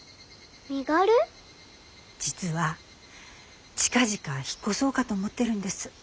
実は近々引っ越そうかと思ってるんです。